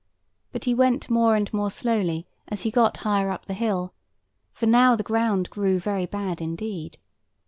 But he went more and more slowly as he got higher up the hill; for now the ground grew very bad indeed.